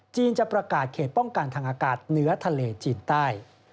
จะประกาศเขตป้องกันทางอากาศเหนือทะเลจีนใต้